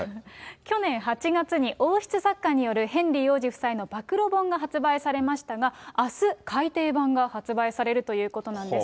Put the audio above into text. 去年８月に王室作家によるヘンリー王子夫妻の暴露本が発売されましたが、あす改訂版が発売されるということなんです。